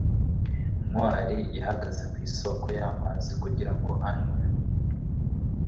ntwali yahagaze ku isoko y'amazi kugirango anywe